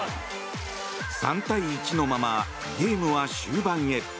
３対１のままゲームは終盤へ。